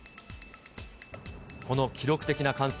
この記録的な乾燥。